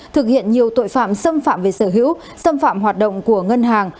thực hiện nhiều tội phạm xâm phạm về sở hữu xâm phạm hoạt động của ngân hàng